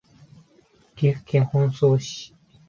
岐阜県本巣市